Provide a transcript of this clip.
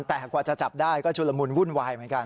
แต่กว่าจะจับได้ก็ชุลมุนวุ่นวายเหมือนกัน